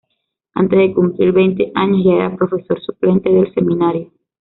Antes de cumplir veinte años ya era profesor suplente del seminario.